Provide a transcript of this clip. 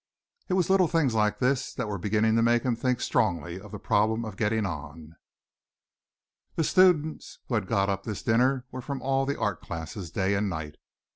It was little things like this that were beginning to make him think strongly of the problem of getting on. The students who had got up this dinner were from all the art classes, day and night.